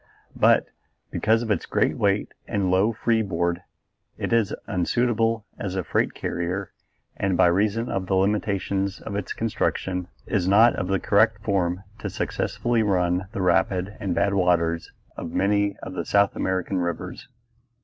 But, because of its great weight and low free board, it is unsuitable as a freight carrier and by reason of the limitations of its construction is not of the correct form to successfully run the rapid and bad waters of many of the South American rivers.